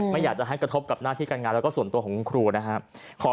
ไม่อยากจะให้กระทบกับหน้าที่การงานแล้วก็ส่วนตัวของคุณครูนะครับ